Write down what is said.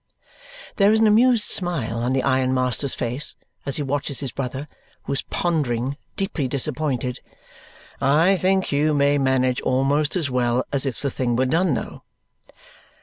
There is an amused smile on the ironmaster's face as he watches his brother, who is pondering, deeply disappointed. "I think you may manage almost as well as if the thing were done, though."